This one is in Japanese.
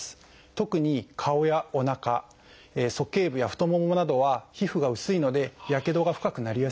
特に顔やおなかそけい部や太ももなどは皮膚が薄いのでやけどが深くなりやすいです。